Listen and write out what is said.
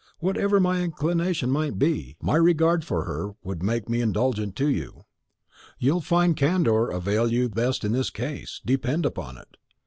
Whatever my inclination might be, my regard for her would make me indulgent to you. You'll find candour avail you best in this case, depend upon it.